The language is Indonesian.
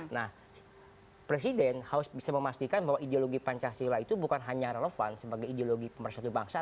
nah presiden harus bisa memastikan bahwa ideologi pancasila itu bukan hanya relevan sebagai ideologi pemersatu bangsa